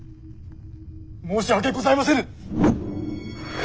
申し訳ございませぬ！